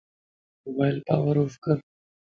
موبائل پاور اوف ڪر